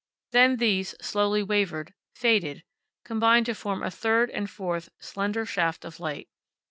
Then these slowly wavered, faded, combined to form a third and fourth slender shaft of light.